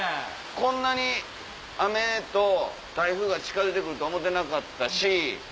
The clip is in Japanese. こんなに雨と台風が近づいて来るとは思ってなかったし。